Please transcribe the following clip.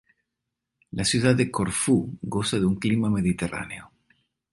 La ciudad de Corfú goza de un clima mediterráneo.